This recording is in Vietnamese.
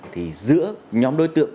thì giữa nhóm đối tượng